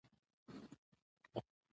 هلمند سیند د افغان ښځو په ژوند کې رول لري.